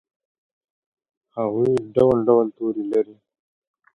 هغوي ډول ډول تورې لري